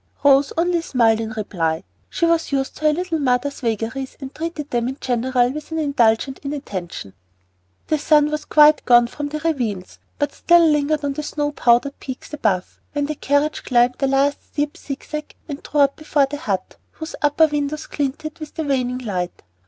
Rose only smiled in reply. She was used to her little mother's vagaries and treated them in general with an indulgent inattention. The sun was quite gone from the ravines, but still lingered on the snow powdered peaks above, when the carriage climbed the last steep zigzag and drew up before the "Hut," whose upper windows glinted with the waning light.